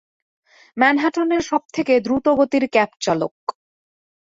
ম্যানহাটনের সবথেকে দ্রুতগতির ক্যাবচালক।